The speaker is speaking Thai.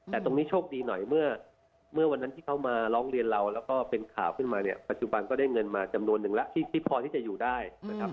แต่ตรงนี้โชคดีหน่อยเมื่อวันนั้นที่เขามาร้องเรียนเราแล้วก็เป็นข่าวขึ้นมาเนี่ยปัจจุบันก็ได้เงินมาจำนวนหนึ่งแล้วที่พอที่จะอยู่ได้นะครับ